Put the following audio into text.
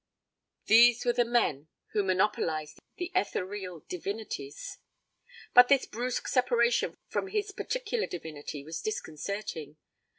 These were the men who monopolized the ethereal divinities. But this brusque separation from his particular divinity was disconcerting.